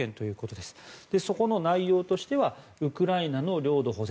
そこの内容としてはウクライナの領土保全